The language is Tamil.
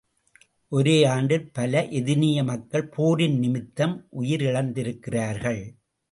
ஒரே ஆண்டில் பல எதினிய மக்கள் போரின் நிமித்தம் உயிரிழந்திருக்கிறார்கள்.